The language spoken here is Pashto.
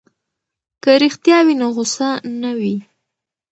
که رښتیا وي نو غصه نه وي.